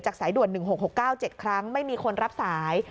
สายด่วน๑๖๖๙๗ครั้งไม่มีคนรับสาย